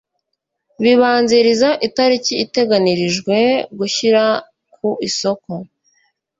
bibanziriza itariki iteganirijwe gushyira ku isoko